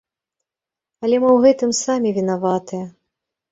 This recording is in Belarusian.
Але мы ў гэтым самі вінаватыя.